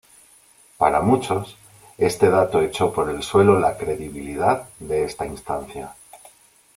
Para muchos, este dato echó por el suelo la credibilidad de esta instancia.